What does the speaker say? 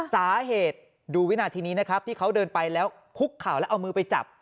สาเหตุดูวินาทีนี้นะครับที่เขาเดินไปแล้วคุกเข่าแล้วเอามือไปจับ